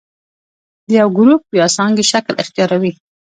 د یو ګروپ یا څانګې شکل اختیاروي.